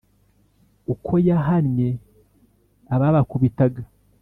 uko yahannye ababakubitaga ?